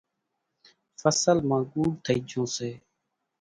ڦصل مان ڳُوڏ ٿئِي جھون سي۔